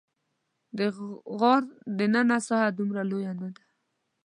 د غار دننه ساحه دومره لویه نه ده.